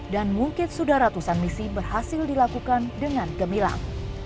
dan mungkin sudah ratusan misi berhasil dilakukan dengan gemilang